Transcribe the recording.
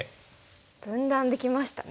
分断できましたね。